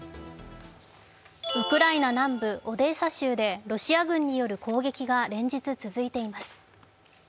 ウクライナ南部オデーサ州でロシア軍による攻撃が連日続いています。